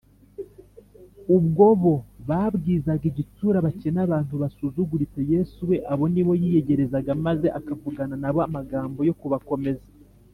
. Ubwo bo babwizaga igitsure abakene, abantu basuzuguritse, Yesu we abo nibo yiyegerezaga, maze akavugana nabo amagambo yo kubakomeza